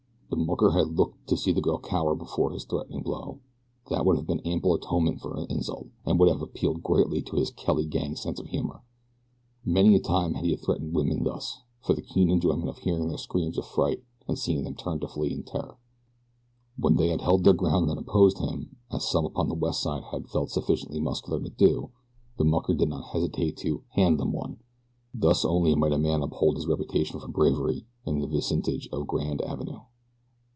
The mucker had looked to see the girl cower before his threatened blow that would have been ample atonement for her insult, and would have appealed greatly to his Kelly gang sense of humor. Many a time had he threatened women thus, for the keen enjoyment of hearing their screams of fright and seeing them turn and flee in terror. When they had held their ground and opposed him, as some upon the West Side had felt sufficiently muscular to do, the mucker had not hesitated to "hand them one." Thus only might a man uphold his reputation for bravery in the vicinage of Grand Avenue.